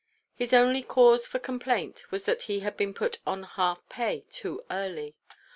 His only cause for complaint was that he had been put on half pay too early.